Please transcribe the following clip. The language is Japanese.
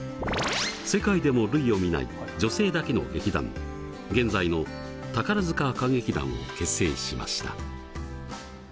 世界でも類を見ない女性だけの劇団現在の宝塚歌劇団を結成しました。